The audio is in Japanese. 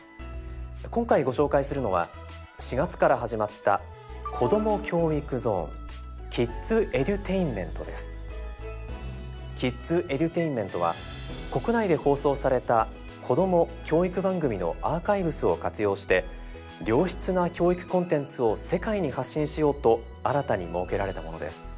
今回ご紹介するのは４月から始まった「ＫｉｄｓＥｄｕｔａｉｎｍｅｎｔ」は国内で放送されたこども・教育番組のアーカイブスを活用して良質な教育コンテンツを世界に発信しようと新たに設けられたものです。